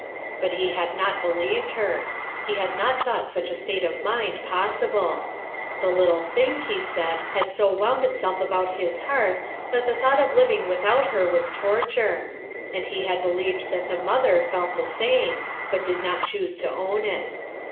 But he had not believed her; he had not thought such a state of mind possible. The little thing, he said, had so wound itself about his heart that the thought of living without her was torture; FOR MAYBELLE'S SAKE ok and he had Sieved that the mother felt the same, but did not choose to own it.